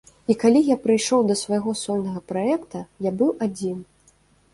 І калі я прыйшоў да свайго сольнага праекта, я быў адзін.